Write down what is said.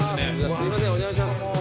すいませんお邪魔します。